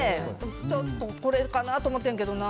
ちょっとこれかなと思ってんけどな。